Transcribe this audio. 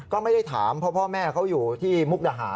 ก็ไม่ได้ถามเพราะพ่อแม่เขาอยู่ที่มุกดาหาร